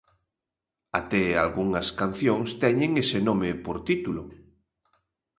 Até algunhas cancións teñen ese nome por título.